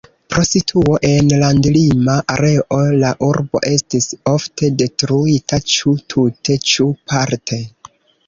Pro situo en landlima areo la urbo estis ofte detruita ĉu tute ĉu parte.